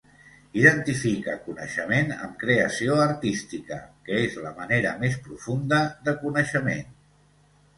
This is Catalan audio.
Identifique coneixement amb creació artística, que és la manera més profunda de coneixement